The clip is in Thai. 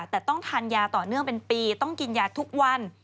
แต่ต้องทานยาต่อเนื่องเป็นปีต้องกินยาทุกวัน